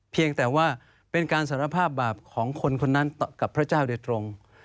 เพียงแต่ว่าเป็นการสารภาพบาปของคนคนนั้นกับพระเจ้าโดยตรง